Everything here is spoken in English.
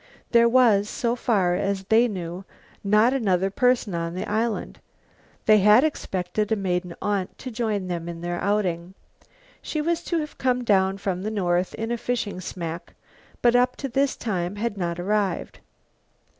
There was, so far as they knew, not another person on the island. They had expected a maiden aunt to join them in their outing. She was to have come down from the north in a fishing smack, but up to this time had not arrived.